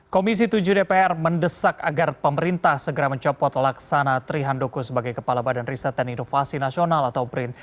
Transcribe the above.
komisi tujuh dpr mendesak agar pemerintah segera mencopot laksana trihandoko sebagai kepala badan riset dan inovasi nasional atau brin